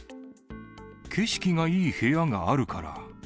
景色がいい部屋があるから。